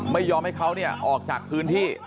ไม่ยอมให้เขาออกจากพื้นที่